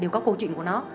đều có câu chuyện của nó